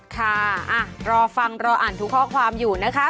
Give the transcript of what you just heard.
ค่ะรอฟังรออ่านทุกข้อความอยู่นะคะ